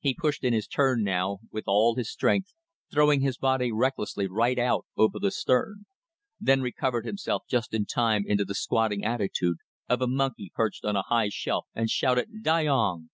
He pushed in his turn now with all his strength, throwing his body recklessly right out over the stern. Then he recovered himself just in time into the squatting attitude of a monkey perched on a high shelf, and shouted: "Dayong!"